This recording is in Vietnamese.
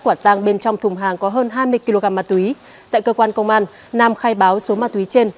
quả tăng bên trong thùng hàng có hơn hai mươi kg ma túy tại cơ quan công an nam khai báo số ma túy trên